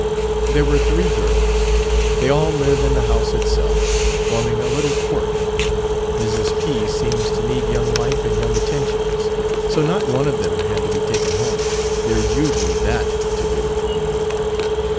"There were three girls. They all live in the house itself, forming a little court: Mrs. P. seems to need young life and young attentions. So not one of them had to be taken home there's usually that to do, you know.